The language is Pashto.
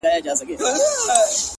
• چاته وايی نابغه د دې جهان یې,